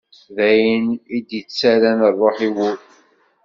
D ayen i d-ittarran rruḥ i wul.